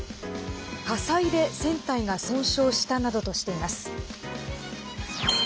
火災で船体が損傷したなどとしています。